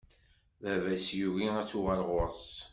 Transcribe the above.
Baba-s yugi ad tuɣal ɣur-s.